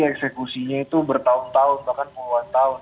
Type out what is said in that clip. eksekusinya itu bertahun tahun bahkan puluhan tahun